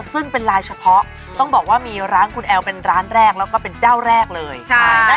ซึ่งเป็นลายเฉพาะต้องบอกว่ามีร้านคุณแอลเป็นร้านแรกแล้วก็เป็นเจ้าแรกเลย